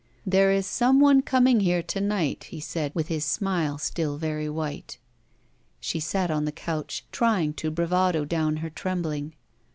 There is some one coming here to night/* he said, with his smile still very white. She sat on the couch, trying to bravado down her trembling.